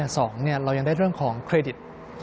สองเรายังได้เรื่องของเครดิต